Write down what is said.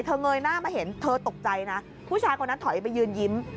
เงยหน้ามาเห็นเธอตกใจนะผู้ชายคนนั้นถอยไปยืนยิ้ม